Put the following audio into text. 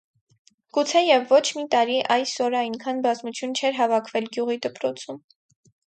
Գուցե և ոչ մի տարի այս օրը այնքան բազմություն չէր հավաքվել գյուղի դպրոցում: